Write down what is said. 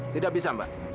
tidak bisa mbak